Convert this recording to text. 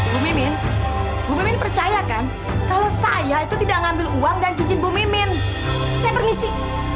bumimin bumimin percayakan kalau saya itu tidak ngambil uang dan cuci bumimin saya permisi